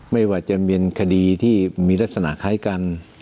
ไม่ว่าจะเป็นคดีที่มีลักษณะคล้ายกัน